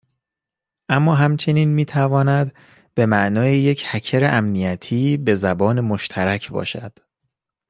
اما همچنین میتواند به معنای یک هکر امنیتی به زبان مشترک باشد.